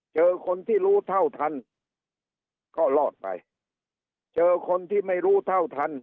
เจอคนที่รู้เท่าทันก็รอดไปเจอคนที่ไม่รู้เท่าทัน